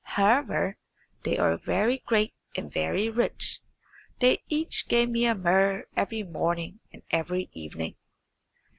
However, they are very great and very rich. They each give me a muhr every morning and every evening."